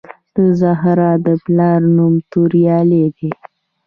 د زهرا د پلار نوم توریالی دی